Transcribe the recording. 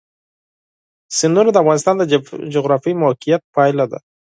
سیندونه د افغانستان د جغرافیایي موقیعت پایله ده.